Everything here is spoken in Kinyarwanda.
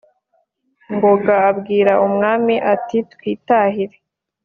» ngoga abwira umwami ati twitahire